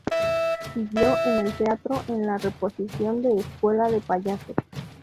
Siguió en el teatro en la reposición de "Escuela de Payasos".